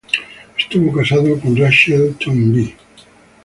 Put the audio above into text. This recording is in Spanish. Estuvo casado con Rachel Toynbee.